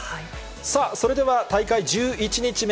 さあ、それでは大会１１日目。